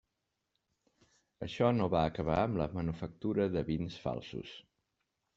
Això no va acabar amb la manufactura de vins falsos.